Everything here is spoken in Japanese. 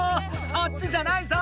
そっちじゃないぞ！